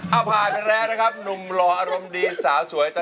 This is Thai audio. เอาผ่านไปแล้วนะครับหนุ่มหล่ออารมณ์ดีสาวสวย